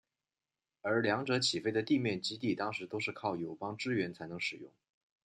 而两者起飞的地面基地当时都是靠友邦支援才能使用。